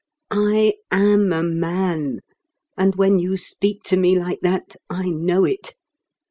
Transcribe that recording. I am a man; and when you speak to me like that, I know it.